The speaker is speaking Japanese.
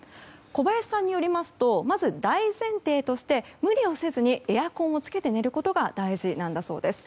小林さんによりますとまず大前提として無理をせずにエアコンをつけて寝ることが大事だそうです。